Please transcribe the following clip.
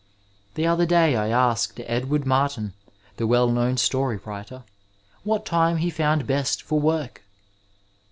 The other day I asked Edward Martin, the well known story writer, what time he found best for work.